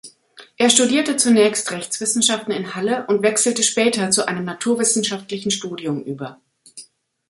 Er studierte zunächst Rechtswissenschaften in Halle und wechselte später zu einem naturwissenschaftlichen Studium über.